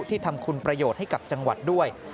ที่ทำคุณประโยชน์ให้กับจังหวัดด้วย